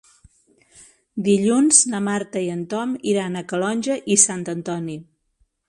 Dilluns na Marta i en Tom iran a Calonge i Sant Antoni.